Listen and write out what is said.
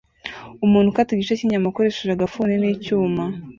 Umuntu ukata igice cyinyama akoresheje agafuni nicyuma